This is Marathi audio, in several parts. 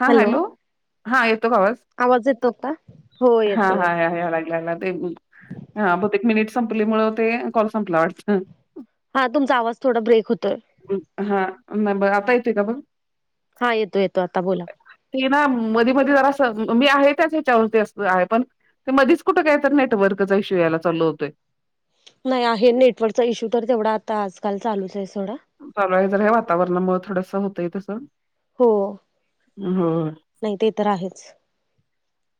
हा, हॅलो. हा येतो का आवाज? येतो का हो येतो हा-हा, येतो याय लागला याय लागला ते हा बहुतेक मिनिट संपल्यामुळे, ते कॉल संपला वाटतं. हा, तुमचा आवाज थोडा ब्रेक होतोय. हा, आता येतोय का बघ. हा, येतो- येतो आता बोला‌. ते ना मधी-मधी जरा स, मी आहे त्याच ह्याच्यावरती असत आहे पण ते मधीच कुठं काय तर, नेटवर्कचा इशू यायला चालू होतोय. नाही आहे. नेटवर्कचा इश्यू तर तेवढा आता आजकाल चालूच आहे सोडा. चालु आहे जरा, हे वातावरणामुळे थोडंस होतंय तसं. हो. [unintelligible] नाही ते तर आहेच.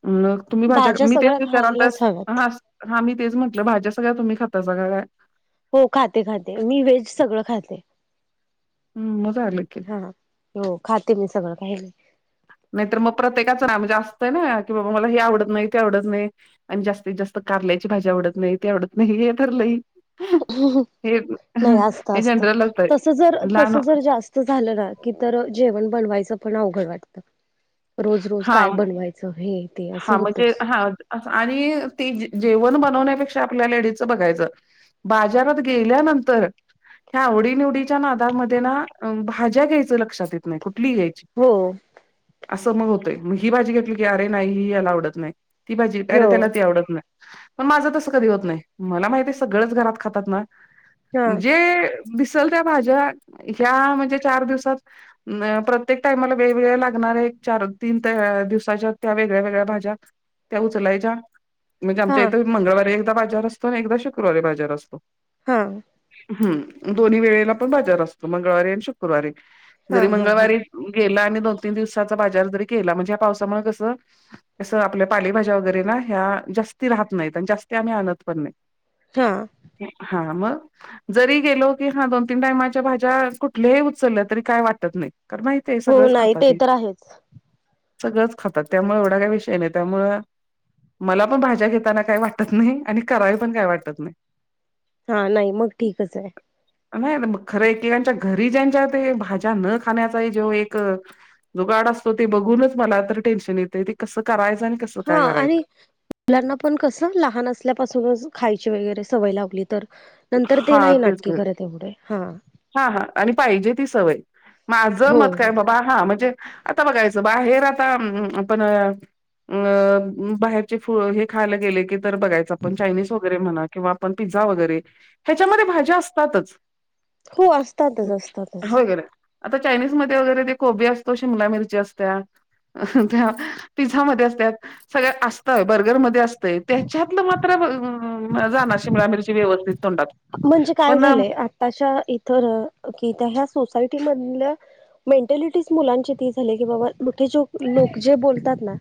मग तुम्ही भाज्या मी तेच सगळ्या विचाराल खायलाच तेस हव्यात हास हा मी तेच म्हटलं भाज्या सगळ्या तुम्ही खातासा का काय? हो खाते खाते. मी व्हेज सगळं खाते. ह्म्, मग झालं की. हा, हो खाते मी सगळं. काहि नाहीर मग प्रत्येकाचं म्हणजे असतय ना की, बाबा मला हे आवडत नाही ते आवडत नाही. आणि जास्तीत जास्त कारल्याची भाजी आवडत नाही, ते आवडत नाही हे तर लई. हो हो, हे नाही असतं हे असतं. जनरल असतंय तस जर लहान तस जर जास्त झालं ना की तर जेवण बनवायचं पण अवघड वाटत. रोज रोज हा काय बनवायचं. च हे ते असं होतच. अस आणि ती जेवण बनवण्यापेक्षा आपल्या लेडीजचं बघायचं. बाजारात गेल्यानंतर. ह्या आवडी निवडीच्या नादमध्ये ना भाज्या घ्यायचं लक्षात येत नाही, कुठलीही घ्यायची? हो. असं मग होतंय मग ही भाजी घेतली की अरे नाही ही याला आवडत नाही. ती भाजी, अरे हो त्याला ती आवडत नाही. पण माझं तस कधी होत नाही. मला माहिती सगळंच घरात खातात ना हा जे. दिसल त्या भाज्या, ह्या म्हणजे चार दिवसात प्रत्येक टाइमला वेगवेगळ लागणार चार - तीन दिवसाच्या त्या वेगळ्या- वेगळ्या भाज्या, त्या उचलायच्या म्हणजे हा आमच्या इथं मंगळवारी एकदा बाजार असतो आणि एकदा शुक्रवारी बाजार असतो. हां. हम्म, दोन्ही वेळेला पण बाजार असतो मंगळवारी आणि शुक्रवारी हा जरी हा हा मंगळवारी गेला आणि दोन तीन दिवसाचा बाजार जरी केला म्हणजे या पावसामुळे कसं तसं आपल्या पालेभाज्या वगैरे ना ह्या जास्ती राहत नाहीत आणि जास्त आम्ही आणत पण नाही. हा. हा, मग. जरी गेलो की हा दोन तीन टायमाच्या भाज्या कुठल्याही उचलल्या तरी काय वाटत नाही. कारण [unintelligible] हो नाही, खातात ते ही तर आहेच. सगळंच खातात त्यामुळे एवढा काय विषय नाही त्यामुळ मला पण भाज्या घेताना काही वाटत नाही आणि करायाला पण काय वाटत नाही. हा, नाही मग ठीकच आहे. नाही न मग खरय ते घरी ज्यांच्या भाज्या न खाण्याचा जो एक जुगाड असतो ते बघूनच मला तर टेन्शन येते ते कसं करायचं आणि कस हा, आणि मुलांना पण कसं लहान असल्यापासूनच खायची वगैरे सवय लावली तर. नंतर ते नाही तेच नाटके ग करत एवढे, हा. ह हा, आणि पाहिजे ती सवय माझं हो मत हो काय [unintelligible] हा- हा म्हणजे, आता बघायचं बाहेर आता आपण अ बाहेरचे फुळ हे खायला गेले की तर बघायच आपण चायनीज वगैरे म्हणा किंवा आपण पिझ्झा वगैरे ह्याच्यामध्ये भाज्या असतातच. हो अस होय कर. आता चायनीज मध्ये वगैरे ते कोबी असतो. शिमला मिरची असत्या. हा त्या पिझ्झा मध्ये असत्यात सगळ असत. बर्गरमध्ये असतंय त्याच्यातलं मात्र जाणार शिमला मिरची व्यवस्थित तोंडात. म्हणजे काय पण झालंय. आत्ताच्या इथ र् कि त्या ह्या सोसायटी मधल्या मेंटलिटीच मुलांची ती झाल्या की बाबा मोठी जोक लोक जे बोलतात ना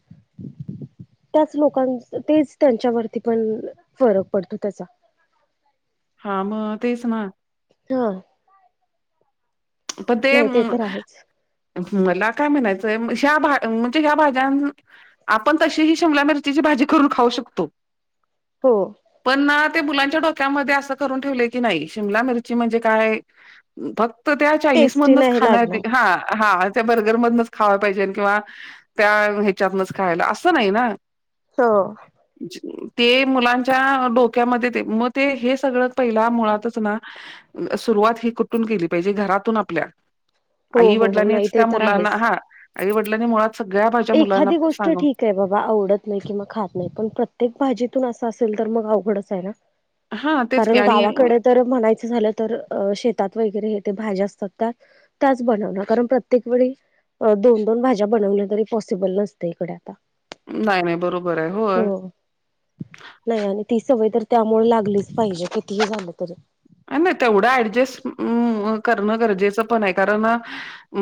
त्याच लोकांच तेच त्यांच्यावरती पण फरक पडतो त्याचा. हा मग तेच ना? हा. प ते नाही म तर आहेच. मला काय म्हणायचंय ह्या भा म्हणजे ह्या भाज्यान् आपण तशीही शिमला मिरचीची भाजी करून खाऊ शकतो. हो. पण ना ते मुलांच्या डोक्यामध्ये असं करून ठेवलय की नाही शिमला मिरची म्हणजे काय फक्त त्या चायनीज टेस्टी मधनच नाही खाण हाय लागणार. ते हा. हा त्या बर्गरमधनच खावाय पाहिजेल किंवा त्या ह्याच्यातनच खायला, असं नाई ना. हो. ते मुलांच्या डोक्यामध्ये ते मग ते हे सगळं पहिला मुळातच ना? सुरुवात ही कुठून केली पाहिजे? घरातून आपल्या. हो आई हो हो नाही वडिलांनीच ते त्या तर मुलांना आहेच. हा आई वडिलांनी मुळात सगळ्या भाज्या मुलांना सांगून ते बाबा आवडत नाही कि मग खात नाही पण प्रत्येक भाजीतून असं असेल तर मग अवघडच आहे ना? हां, तेच की कारण आणि गावाकडे तर म्हणायचं झालं तर अ शेतात वगैरे हे ते भाज्या असत्यात त्या त्याच बनवणार. कारण प्रत्येक वेळी दोन दोन भाज्या बनवल्या तरी पॉसिबल नसतय इकडे आता. नाय नाय बरोबराय होय. हो. नाही आणि ती सवय तर त्यामुळे लागलीच पाहिजे कितीही झालं तरी अ नाय तेवढं ऍडजस्ट करणं गरजेचं पण आहे कारण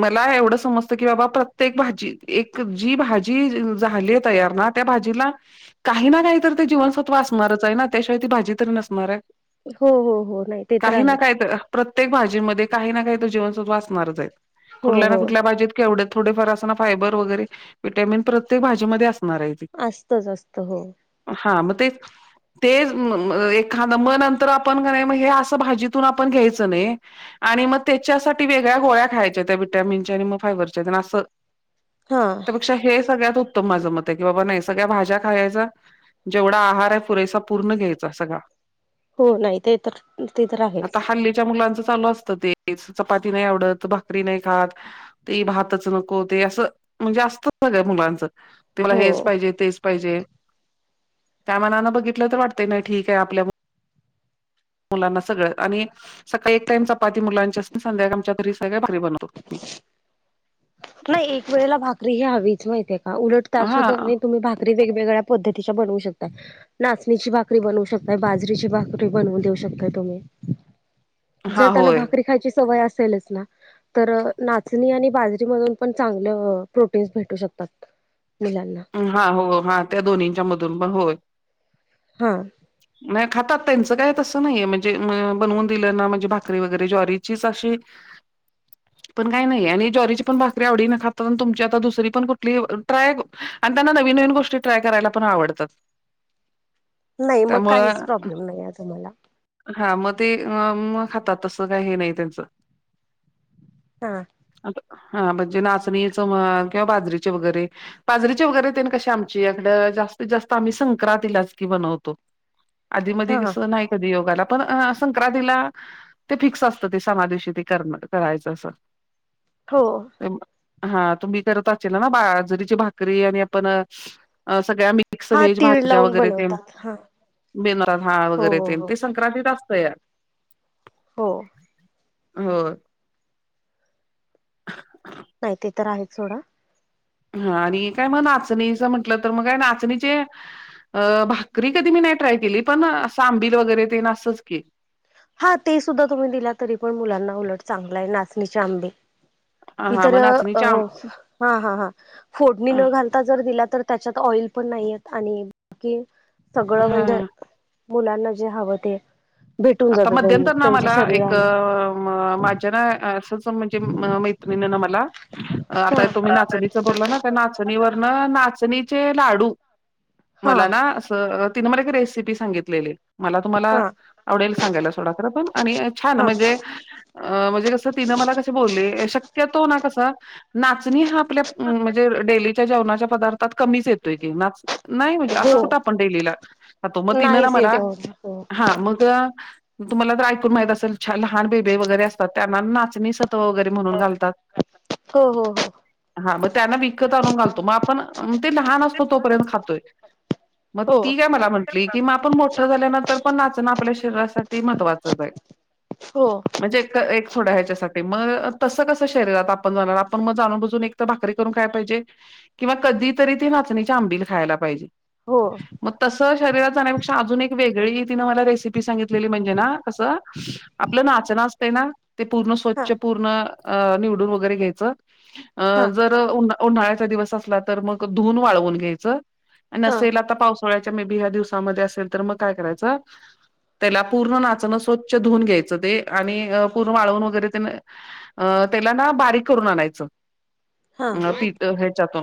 मला एवढं समजतं की बाबा प्रत्येक भाजी एक जी भाजी झालीय तयार ना त्या भाजीला काही ना काही तर ते जीवनसत्व असणारच आहे ना त्याशिवाय ती भाजी तरी नसणाराय. हो हो हो नाई. काही ना काही तर प्रत्येक भाजीमध्ये काही ना काही तर जीवनसत्व असणारच आहेत. हो कुठल्या ना हो कुठल्या भाजीत केवढे थोडे फार असंना फायबर वगैरे विटॅमिन प्रत्येक भाजीमध्ये अस असतंच असतं हो. हा मग ते तेच म म एखादं म नंतर आपण कनाय मग हे असं भाजीतून आपण घ्यायचं नाही. आणि मग त्याच्यासाठी वेगळ्या गोळ्या खायच्या त्या विटॅमिनच्या आणि मग फायबरच्या तेन असं. हा त्यापेक्षा हे सगळ्यात उत्तम माझं मत आहे की नाही बाबा नाही सगळ्या भाज्या खायाचं. जेवढा आहार आहे पुरेसा पूर्ण घ्यायचा सगळा. हो नाही ते तर ते तर आहे. आता हल्लीच्या मुलांचं चालू असतं तेच चपाती नाही आवडत. भाकरी नाही खात. ते भातच नको ते असं म्हणजे असतं सगळ्या मुलांचं. ते मला हो हेच पाहिजे, तेच पाहिजे. त्या मानानं बघितलं वाटतय नाही ठीक आहे आपल्या मुलांना सगळं आणि सकाळी एक टाइम चपाती मुलांची असती संध्याकाळी आमच्या तरी सगळ्या भाकरी बनवतो मी. नाही एक वेळेला भाकरी ही हवीच माहिते का उलट त्यात हा सुधा नाही तुम्ही भाक करी वेगवेगळ्या पद्धतीच्या बनवू शकता. नाचणीची भाकरी बनवू शकताय, बाजरीची भाकरी बनवून देऊ शकताय तुम्ही. हा जर त्यांना होय भाकरी खायची सवय असेलच ना तर नाचणी आणि बाज जरी मधून पण चांगलं प्रोटीन्स भेटू शकतात मुलांना. हा हो हा त्या दोन्हींच्या मधून पण होय. हा. नाही खातात त्यांचं काय तसं नाहीये म्हणजे बनवून दिलं ना म्हणजे भाकरी वगैरे ज्वारीचीच अशी [inaudible] पण काय नाहीये आणि ज्वारीची पण भाकरी आवडीनं खातात आणि तुमची आता दुसरी पण कुठली ट्राय आणि त्यांना नवीन, नवीन गोष्टी ट्राय करायला पण आवडतात. नाही मग काहीच त्यामुळं प्रॉब्लेम नाही अग मला. हा मग ते मग खातात तसं काही हे नाही त्यांचं. हा. आता हा म्हणजे नाचणीचं म्हण किंवा बाजरीचे वगैरे बाजरीचे वगैरे ते न कशी आमच्याकडं जास्तीत जास्त आम्ही संक्रांतीलाच की बनवतो. आधी मधी हा कसं नाही कधी योग आला पण हा संक्रांतीला ते फिक्स असतं ते सणा दिवशी ते करण करायचं असं. हो. हा तुम्ही करत असचीला ना बाजरीची भाकरी आणि आपण सगळ्या मि मिक्स हा व्हेज तीळ भाज्या लावून वगैरे तेन बनवतात हा मिनरल हा हो वगैरेते हो हो ते सगळ संक्रांतीत असतया. हो. हो. नाही ते तर आहेच सोडा. हा आणि हे काय मग नाचणीचं म्हटलं तर मग काय नाचणीचे अ भाकरी कधी मी नाही ट्राय केली असं आंबील वगैरे तेन असंच की. हा ते सुद्धा तुम्ही दिला तरी पण मुलांना उलट चांगला आहे नाचणीचे आंबील. ती हा तर मग अ नाचणीच्या हा हा फोडणी न घाल घालता जर दिला तर त्याच्यात ऑइल पण नाही येत आणि की सगळं हा म्हणजे मुलांना जे हवं ते भेटून आता जातं त्यांनी मध्यंतर ना त्यांच्या मला एक शरीराला माझ्या ना असच ते मैत्रीणन मला हा आता तुम्ही नाचणी च बोलाना त्या नाचणीवर ना नाचणीचे लाडू हा मला ना अस तिने मलाका एक रेसिपी सांगितलेली मला तुम्हाला हा [unintelligible] सांगायला सोडा पण आणि छान हा म्हणजे अ म्हणजे कस तिनं मला कसे बोलले शक्यतो ना कसा नाचणी हा आपल्या म्हणजे डेलीच्या जेवणाच्या पदार्थात कमीच येतोय की नाच नाही म्हणजे हो असं कुठं आपण डेलीला खातो मग तिनं ना नाहीच येते मला हो हो हा मग त तुम्हाला तर ऐकून माहित असेल लहान बेबे वगैरे असतात त्यांना नाचणी सत्व वगैरे ते म्हणून घालतात. हो हा मग त्यांना विकत आणून घालतो मग आपण ते लहान असतो तोपर्यंत खातोय. मग हो हो ती काय मला म्हटली की, मग आपण मोठं झाल्यानंतर पण आ पण आपल्या शरीरासाठी महत्वाचच हाय. हो म्हणजे एक... एक थोड्या ह्याच्यासाठी मग तसं कसं शरीरात आपण जाणार आपण मग जाणून -बुजून एक भाकरी करून खाय पाहिजे किंवा कधीतरी ती नाचणीची आंबील खायला पाहिजे. हो मग तसं शरीरात जाण्यापेक्षा अजून एक वेगळी तिनं मला रेसिपी सांगितलेली म्हणजे ना.. कसं आपलं नाचणंन असत ना... ते पूर्ण हा स्वच्छ पूर्ण अ.... निवडून वगैरे घ्यायचं. अ... हा जर उन्हा.. उन्हाळ्याचा दिवस असला तर मग धुऊन वाळवून घ्यायचं. हा नसेल आता पावसाळ्याच्या मे बी ह्या दिवसामध्ये असेल तर मग काय करायचं? [inaudible] त्याला पूर्ण नाचणं स्वच्छ धुवून घ्यायचं ते आणि पूर्ण अ... वाळवून वगैरे तेन अ.. त्याला ना बारीक करून आणायच, अ.. हा पीठ हे अ..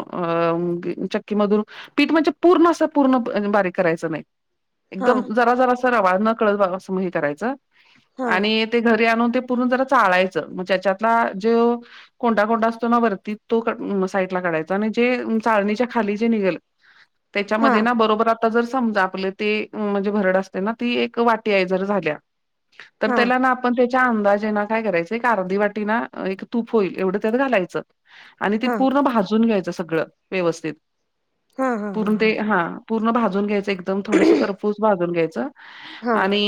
चक्की मधून पीठ म्हणजे पूर्ण असं पूर्ण बारीक करायच नाही. हा एकदम जरा.. जरासा रवाळ नकळत बघा अस हे करायचं हा आणि ते घरी आणून ते पूर्ण जरा चाळायचं, मग त्याच्यातला जो कोंढा- कोंढा असतो ना वरती तो, साईट ला काढायचा आणि जे... चाळणीच्या खाली जे निघेल [inaudible] त्याच्यामध्ये ना बरोबर आता जर समजा आपले ते म्हणजे भरड असते ना ती एक वाटी आहे जर झाल्या तर हा त्याला ना आपण त्याच्या अंदाजे ना काय करायचं एक अर्धी वाटी ना एक तूप होईल एवढं त्यात घालायचं. आणी ते हा पूर्ण भाजून घ्यायचं सगळं व्यवस्थित, पूर्ण ते हा पूर्ण भाजून घ्यायचं एकदम थोडस करफूस भाजून घ्यायचं हा आणि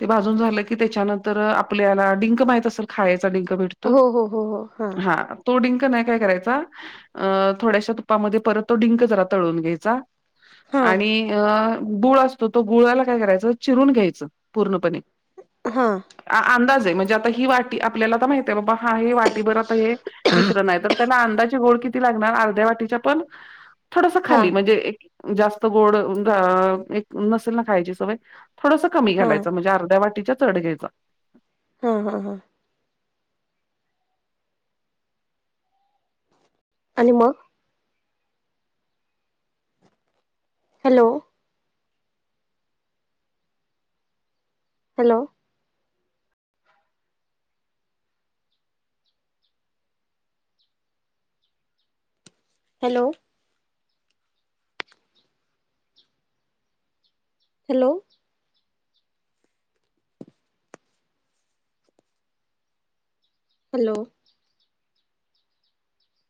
ते भाजून झालं की त्याच्यानंतर, आपल्याला डिंक माहित असेल खायचा डिंक भेट तो... हो हो हो हो हा तो डिंक नाही काय करायचा अ.. थोड्याश्या तुपामध्ये परत तो डिंक जरा तळून घ्यायचा. हा आणि अ.. गुळच तर तो गुळाला काय करायचं, चिरून घ्यायचं पूर्णपणे. हा आ.. अंदाजे, म्हणजे आता ही वाटी आपल्याला आता माहिती आहे, बाबा हा हे वाटीभर आता हे मिश्रण आहे तर- त्यांना अंदाजे गोड किती लागणार, अर्ध्या वाटीच्या पण.. थोडस हा खाली म्हणजे- जास्त गोड अ.. एक नसेल ना... खायची सवय थोडंस कमी हा घालायच म्हणजे अर्ध्या वाटीच चढ घ्यायचं. ह्म्म्.. ह्म्म्.. ह्म्म्म आणि मग? Hello! Hello! Hello! Hello! Hello!